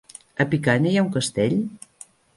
A Picanya hi ha un castell?